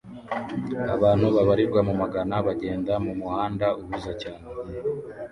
Abantu babarirwa mu magana bagenda mumuhanda uhuze cyane